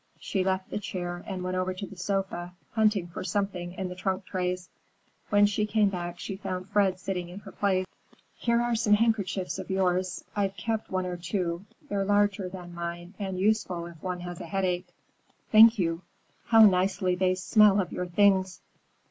She left the chair and went over to the sofa, hunting for something in the trunk trays. When she came back she found Fred sitting in her place. "Here are some handkerchiefs of yours. I've kept one or two. They're larger than mine and useful if one has a headache." "Thank you. How nicely they smell of your things!"